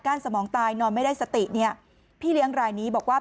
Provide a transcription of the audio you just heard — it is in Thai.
สมองตายนอนไม่ได้สติเนี่ยพี่เลี้ยงรายนี้บอกว่า